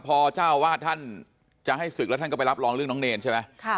พอเจ้าวาดท่านจะให้ศึกแล้วท่านก็ไปรับรองเรื่องน้องเนรใช่ไหม